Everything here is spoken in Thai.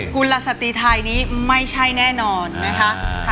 กุลสติไทยนี้ไม่ใช่แน่นอนนะคะ